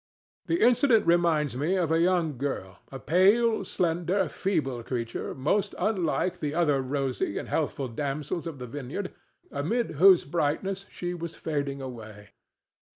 This incident reminds me of a young girl—a pale, slender, feeble creature most unlike the other rosy and healthful damsels of the Vineyard, amid whose brightness she was fading away.